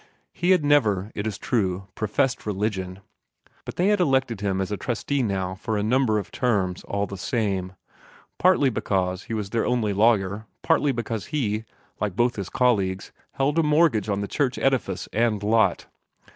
He had never, it is true, professed religion, but they had elected him as a trustee now for a number of terms, all the same partly because he was their only lawyer, partly because he, like both his colleagues, held a mortgage on the church edifice and lot.